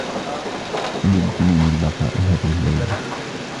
هل يمكنني البقاء هذه الليلة ؟